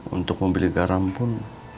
untuk membeli garam pun